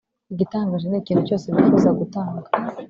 Igitangaje ni ikintu cyose bifuza gutanga